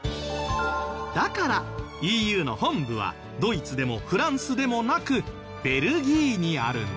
だからＥＵの本部はドイツでもフランスでもなくベルギーにあるんです。